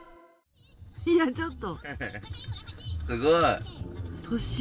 いや、ちょっと。